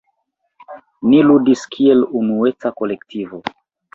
Ni ludis kiel unueca kolektivo.